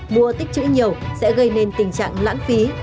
mua tích chữ nhiều sẽ gây nên tình trạng lãng phí